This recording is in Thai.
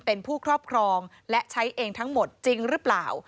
เป็นผู้ครอบครองและใช้เองทั้งหมดจริงหรือเปล่า